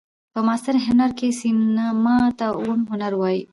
په معاصر هنر کښي سېنما ته اووم هنر وايي.